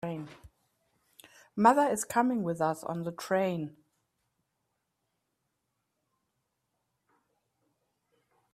Mother is coming with us on the train.